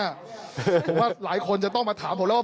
ผมว่าหลายคนจะต้องมาถามผมแล้วว่า